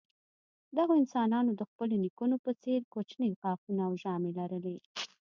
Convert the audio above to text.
دغو انسانانو د خپلو نیکونو په څېر کوچني غاښونه او ژامې لرلې.